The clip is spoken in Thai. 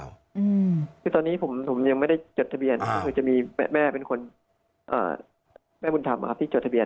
คือตอนนี้ผมยังไม่ได้จดทะเบียนก็คือจะมีแม่เป็นคนแม่บุญธรรมที่จดทะเบีย